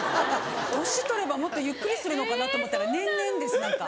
年取ればもっとゆっくりするのかなと思ったら年々です何か。